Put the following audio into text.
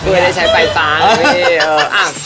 โดยได้ใช้ปลายตังค์